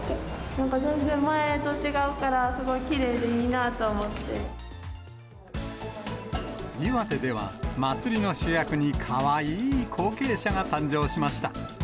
なんか全然前と違うから、岩手では、祭りの主役にかわいい後継者が誕生しました。